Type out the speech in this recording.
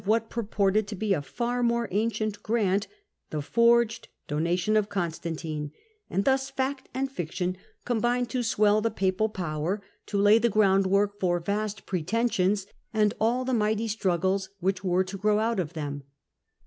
what purported to ^ a ia^ more ancient grant, the forged Donation of, CoQstantine, and thus fact and fiction combined to '*'^^*. J Digitized by VjOOQIC 6 HiLDBBRAND swell the papal power, to lay the groundwork for vast pretensions, and all the mighty struggles which were to grow out of them.